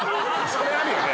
それあるよね？